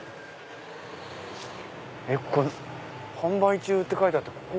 えっここ販売中って書いてあったけど。